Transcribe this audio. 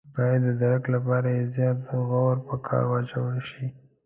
باید د درک لپاره یې زیات غور په کار واچول شي.